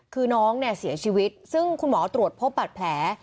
คือน้องเนี่ยเสียชีวิตซึ่งคุณหมอตรวจพบบัตรแผล